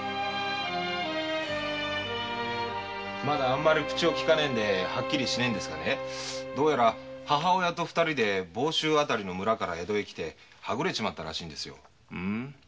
まだあんまり口をきかねえんではっきりしねえんですがどうやら母親と二人で房州辺りの村から江戸へ来てはぐれちまったらしいんですよ。